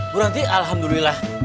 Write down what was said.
bu ranti alhamdulillah